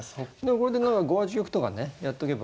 これで何か５八玉とかねやっとけば。